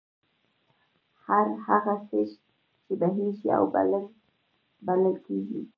هر هغه څيز چې بهېږي، اوبلن بلل کيږي